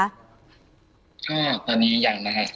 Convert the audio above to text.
อ่าตอนนี้อย่างไร